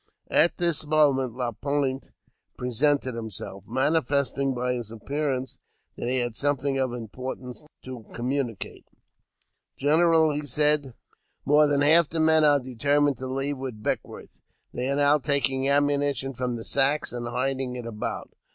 At this moment Le Pointe presented himself, manifesting by his appearance that he had something of importance to communicate. " General," said he, *' more than half the men are deter mined to leave with Beckwourth ; they are now taking ammu nition from the sacks and hiding it about.